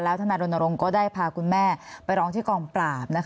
แล้วทนรรโรงก็ได้พาคุณแม่ไปร้องที่กองปราบ